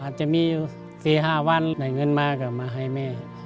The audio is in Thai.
อาจจะมี๔๕วันเหนื่อยเงินมาให้แม่